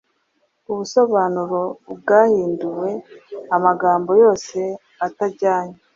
ubusobanuro bwahinduwe Amagambo yose atajyanye